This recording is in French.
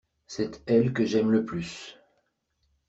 C’est elle que j’aime le plus.